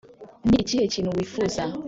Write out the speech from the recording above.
Ni ikihe kintu wifuza